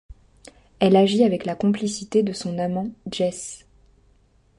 Elle agit avec la complicité de son amant, Jess.